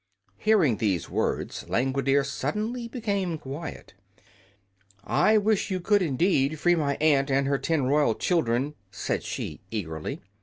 Hearing these words, Langwidere suddenly became quiet. "I wish you could, indeed, free my aunt and her ten royal children," said she, eagerly.